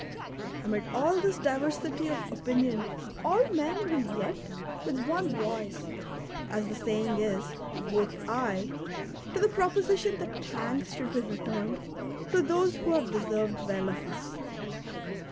Amid all this diversity of opinion all men will yet with one voice, as the saying is, vote "aye" to the proposition that thanks should be returned to those who have deserved well of us.